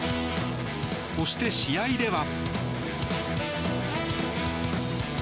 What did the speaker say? そして、試合では。